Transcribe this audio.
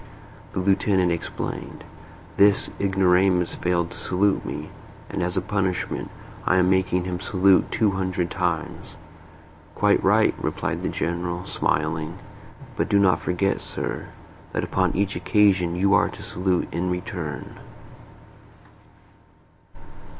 The lieutenant explained. "This ignoramus failed to salute me, and as a punishment, I am making him salute two hundred times." "Quite right," replied the General, smiling. "But do not forget, sir, that upon each occasion you are to salute in return."